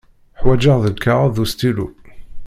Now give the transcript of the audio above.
Ḥwaǧeɣ lkaɣeḍ d ustilu.